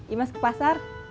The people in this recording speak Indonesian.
imas ke pasar